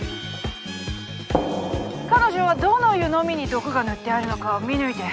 彼女はどの湯飲みに毒が塗ってあるのかを見抜いて。